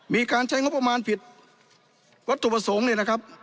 มีการใช้งบประมาณผิดวัตถุประสงค์เนี่ยนะครับ